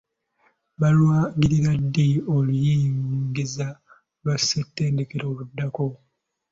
Banaalangirira ddi oluyingiza lwa ssettendekero oluddako?